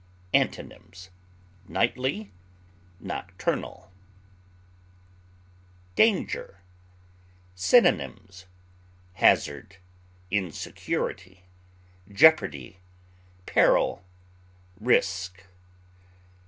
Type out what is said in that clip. Antonyms: nightly, nocturnal. DANGER. Synonyms: hazard, insecurity, jeopardy, peril, risk.